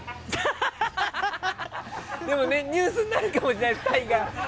でも、ニュースになるかもしれないです。